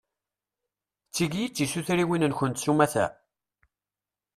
D tigi i d tisutriwin-nkent s umata?